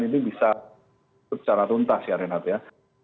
ini bisa secara tuntas ya renat ya